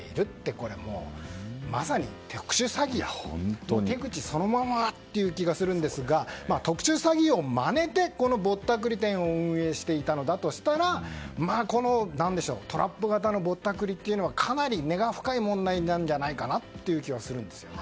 これはまさに特殊詐欺の手口そのままという気がするんですが特殊詐欺をまねてこのぼったくり店を運営していたのだとしたらトラップ型のぼったくりというのはかなり根が深い問題なんじゃないかという気がするんですよね。